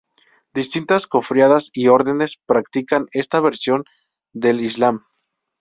Distintas cofradías y órdenes practican esta versión del islam.